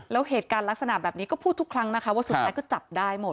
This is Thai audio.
แล้วเหตุการณ์ลักษณะแบบนี้ก็พูดทุกครั้งนะคะว่าสุดท้ายก็จับได้หมด